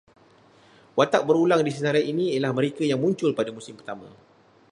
Watak berulang di senarai ini ialah mereka yang muncul pada musim pertama